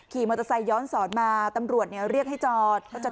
ขี่มอเตอร์ไสยร้อนสอดมาตำรวจเนี้ยเรียกให้จอดตัวจับ